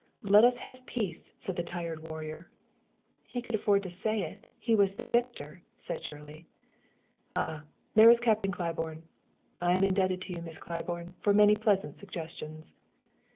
Let us have peace, said the tired warrior." "He could afford to say it; he was the victor," said Shirley. "Ah! there is Captain Claiborne. I am indebted to you, Miss Claiborne, for many pleasant suggestions."